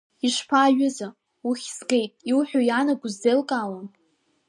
Ишԥа, аҩыза, уххьзгеит, иуҳәо иаанаго сзеилкаауам…